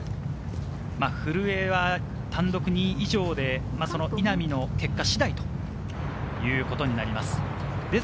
古江は単独２位以上で稲見の結果次第ということになります。